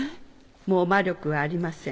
もう魔力はありません。